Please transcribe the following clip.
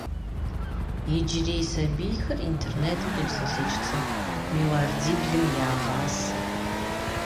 Иджырей сабийхэр интернетым къипсэлъыкӀ цӀыху мелардиблым ягъасэ.